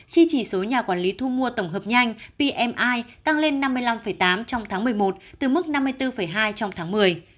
khi chỉ số nhà quản lý thu mua tổng hợp nhanh pmi tăng lên năm mươi năm tám trong tháng một mươi một từ mức năm mươi bốn hai trong tháng một mươi